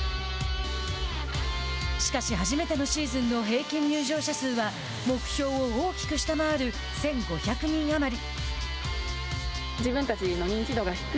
しかし、初めてのシーズンの平均入場者数は目標を大きく下回る１５００人余り。